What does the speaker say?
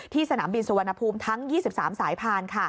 สนามบินสุวรรณภูมิทั้ง๒๓สายพาน